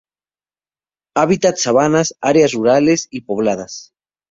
Hábitat Sabanas, áreas rurales y pobladas.